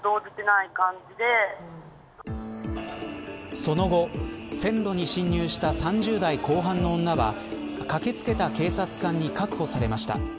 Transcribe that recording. その後、線路に侵入した３０代後半の女は駆け付けた警察官に確保されました。